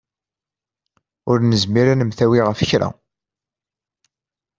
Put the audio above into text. Ur nezmir ad nemtawi ɣef kra.